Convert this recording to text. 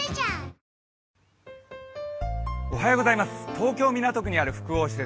東京・港区にある複合施設